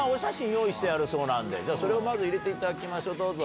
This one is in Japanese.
それを入れていただきましょうどうぞ。